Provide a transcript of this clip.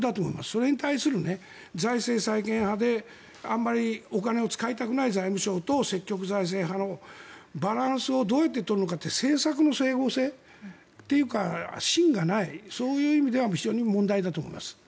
それに対する財政再建派であまりお金を使いたくない財務省と積極財政派のバランスをどうやって取るのかという政策の整合性というか芯がないそういう意味では非常に問題だと思います。